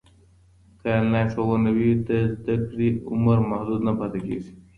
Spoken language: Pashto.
که انلاین ښوونه وي، د زده کړې عمر محدود نه پاته کېږي.